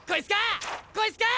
こいつか？